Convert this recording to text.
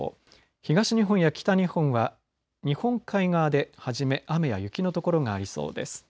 東日本や北日本は日本海側ではじめ雨や雪の所がありそうです。